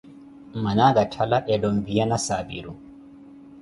Mmana akatthala eetta opiwa nasaapiru.